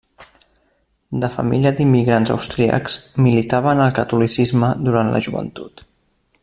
De família d'immigrants austríacs, militava en el catolicisme durant la joventut.